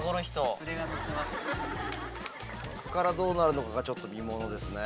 こっからどうなるのかがちょっと見ものですね。